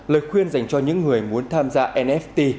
lời khuyên dành cho những người muốn tham gia nft